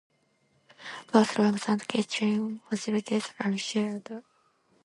Bathrooms and kitchen facilities are shared.